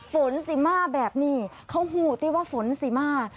สิมาแบบนี้เขาหูติว่าฝนสิมา